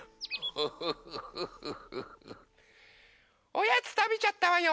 ・おやつたべちゃったわよ。